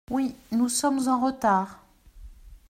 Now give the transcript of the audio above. Oui, nous sommes en retard.